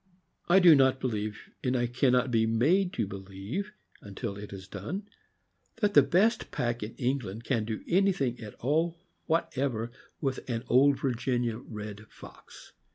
I do not believe, and I can not be made to believe, until it is done, that the best pack in England can do anything at all whatever with an Old Virginia red fox.